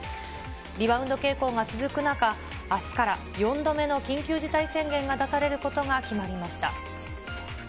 リバウンド傾向が続く中、あすから４度目の緊急事態宣言が出されることが決まりました。